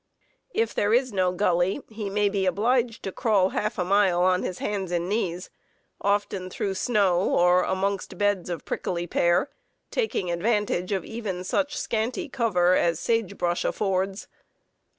If there is no gully, he may be obliged to crawl half a mile on his hands and knees, often through snow or amongst beds of prickly pear, taking advantage of even such scanty cover as sage brush affords.